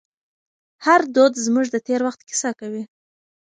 هر دود زموږ د تېر وخت کیسه کوي.